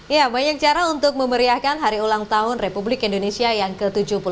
ya banyak cara untuk memeriahkan hari ulang tahun republik indonesia yang ke tujuh puluh tiga